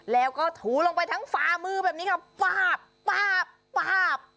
แล้วก็ถูลงไปทั้งฟ้ามือแบบนี้ค่ะป้าบป้าบป้าบ